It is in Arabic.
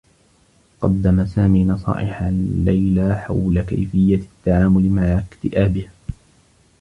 قدّم سامي نصائحا ليلى حول كيفيّة التّعامل مع اكتئابها.